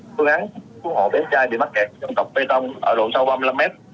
phương án cứu hộ bé trai bị mắc kẹt trong tộc bê tông ở độ cao ba mươi năm mét